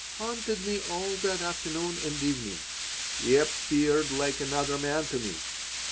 haunted me all that afternoon and evening. He appeared like another man to me.